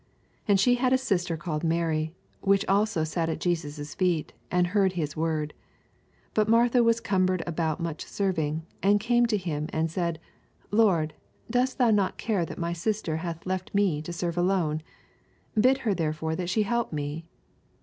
89 And she had a sister called Mary. which also sat at Jesos* feet, and heard his word. 40 Bat Martha was cambered aboat mach serving, and came to him, and said, Lord, dost thoa not care that my sister hath left me to serve alone f bid her therefore that she help me.